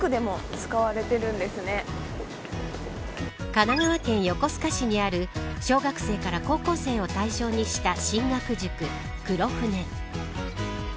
神奈川県横須賀市にある小学生から高校生を対象にした進学塾クロフネ。